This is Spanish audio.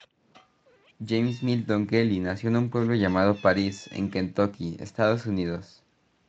James Milton Kelly nació en un pueblo llamado Paris en Kentucky, Estados Unidos.